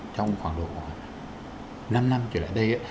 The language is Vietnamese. trong khoảng độ năm năm trở lại đây ấy